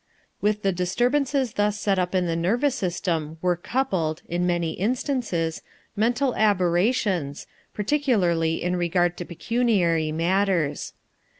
With the disturbance thus set up in the nervous system were coupled, in many instances, mental aberrations, particularly in regard to pecuniary matters.